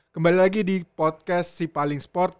kembali lagi di podcast sipaling sport